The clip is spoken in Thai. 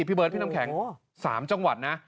พี่เบิร์ดพี่น้ำแข็ง๓จังหวัดนะ